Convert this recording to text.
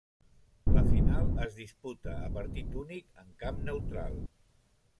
La final es disputa a partit únic en camp neutral.